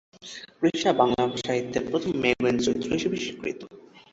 কৃষ্ণা বাংলা সাহিত্যের প্রথম মেয়ে গোয়েন্দা চরিত্র হিসেবে স্বীকৃত।